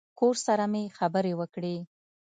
کور سره مې خبرې وکړې.